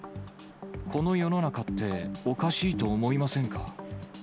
この世の中っておかしいと思いませんか。